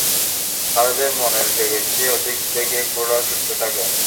খালিদের মনের বেগের চেয়ে অধিক বেগে ঘোড়া ছুটতে থাকে।